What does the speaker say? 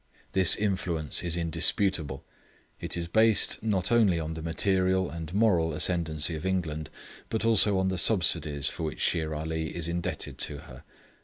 This influence is indisputable. It is based, not only on the material and moral ascendency of England, but also on the subsidies for which Shere Ali is indebted to her.